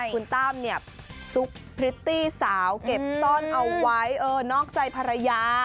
คุณตั้มเนี่ยซุกพริตตี้สาวเก็บซ่อนเอาไว้เออนอกใจภรรยา